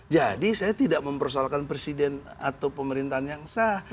jadi saya tidak mempersoalkan presiden atau pemerintahan yang sah